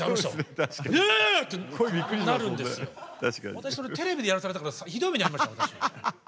私それテレビでやらされたからひどい目に遭いました。